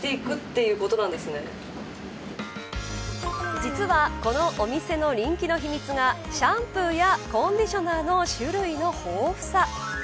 実はこの店の人気の秘密がシャンプーやコンディショナーの種類の豊富さ。